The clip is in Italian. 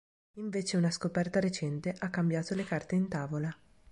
Invece una scoperta recente ha cambiato le carte in tavola.